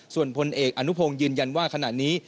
ส่วนพลเอกอนุพงศ์ยืนยันว่าขณะนี้